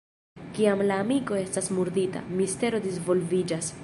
Kiam la amiko estas murdita, mistero disvolviĝas.